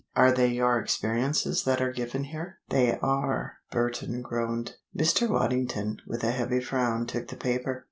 Are they your experiences that are given here?" "They are!" Burton groaned. Mr. Waddington, with a heavy frown, took the paper.